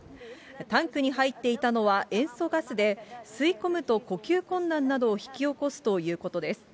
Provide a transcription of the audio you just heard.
タンクに入っていたのは塩素ガスで、吸い込むと呼吸困難などを引き起こすということです。